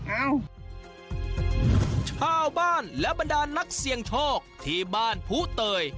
เอ้าชาวบ้านและบรรดานนักเสี่ยงโชคที่บ้านผู้เตย